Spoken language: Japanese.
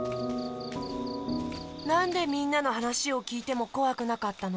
なんでみんなのはなしをきいてもこわくなかったの？